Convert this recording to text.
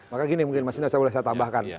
maka gini mungkin mas sina saya boleh tambahkan